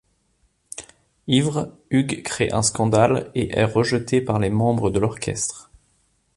Ivre, Hugues crée un scandale et est rejeté par les membres de l'orchestre.